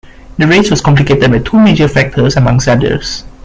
The race was complicated by two major factors, amongst others.